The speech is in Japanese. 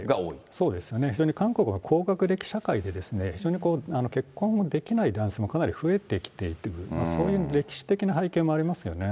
そうですよね、それに韓国は高学歴社会で非常に結婚ができない男性が増えてきていて、そういう歴史的な背景もありますよね。